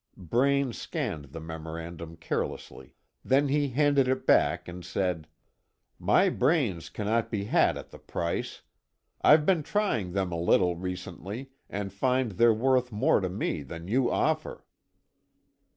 Braine scanned the memorandum carelessly. Then he handed it back, and said: "My brains cannot be had at the price. I've been trying them a little, recently, and find they're worth more to me than you offer."